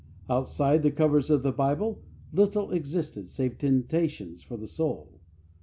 Outside the covers of the Bible, little existed save temptations for the soul.